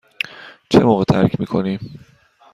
چه موقع ترک می کنیم؟